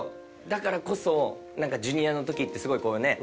だからこそなんかＪｒ．の時ってすごいこうね